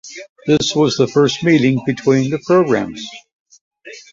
This was the first meeting between the programs.